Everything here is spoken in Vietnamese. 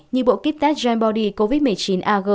như bộ kit test genbody covid một mươi chín ag